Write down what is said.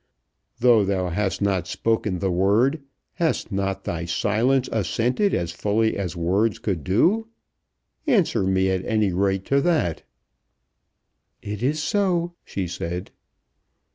Though thou hast not spoken the word, has not thy silence assented as fully as words could do? Answer me at any rate to that." "It is so," she said.